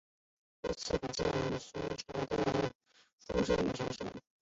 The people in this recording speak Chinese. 由此可见的隋朝的富庶与强盛。